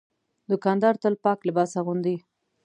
دوکاندار تل پاک لباس اغوندي.